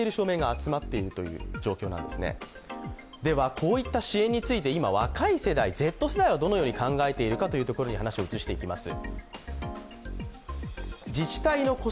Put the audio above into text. こういった支援について、今、若い世代、Ｚ世代はどのように考えているのかというところに話を移していきます。